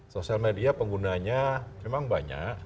sosial media penggunanya memang banyak